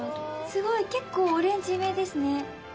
すごい結構オレンジめですね。